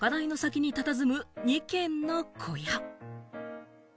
高台の先にたたずむ２軒の小屋。